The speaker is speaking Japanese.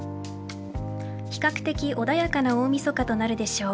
比較的穏やかな大みそかとなるでしょう。